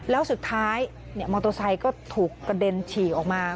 แล้วสุดท้ายมอเตอร์ไซค์ก็ถูกกระเด็นฉีกออกมา